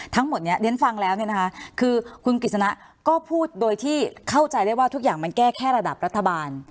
ทั้งหมดนี้เรียนฟังแล้วเนี่ยนะคะคือคุณกฤษณะก็พูดโดยที่เข้าใจได้ว่าทุกอย่างมันแก้แค่ระดับรัฐบาล